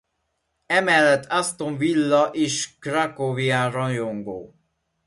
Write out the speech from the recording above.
Emellett Aston Villa- és Cracovia-rajongó.